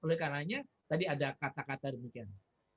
oleh karena tadi ada kata kata demikian